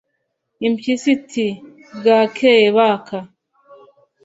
” Impyisi iti “Bwakeye Baka